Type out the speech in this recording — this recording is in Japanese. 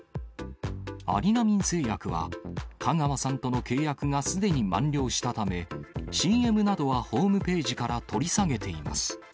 アリナミン製薬は、香川さんとの契約がすでに満了したため、ＣＭなどはホームページから取り下げています。